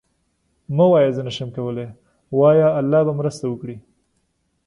مه وایه زه نشم کولی، وایه الله به مرسته وکړي.